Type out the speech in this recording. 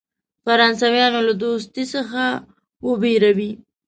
فرانسویانو له دوستی څخه وبېروي.